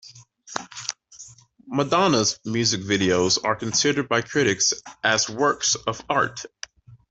Madonna's music videos are considered by critics as works of art.